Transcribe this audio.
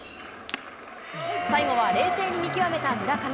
最後は冷静に見極めた村上。